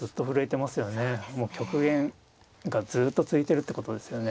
もう極限がずっと続いてるってことですよね。